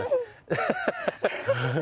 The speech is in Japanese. ハハハハ！